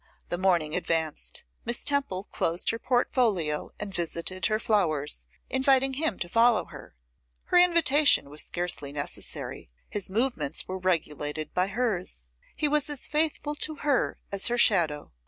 The morning advanced; Miss Temple closed her portfolio and visited her flowers, inviting him to follow her. Her invitation was scarcely necessary, his movements were regulated by hers; he was as faithful to her as her shadow.